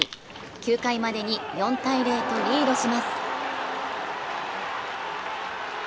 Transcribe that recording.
９回までに４−０とリードします。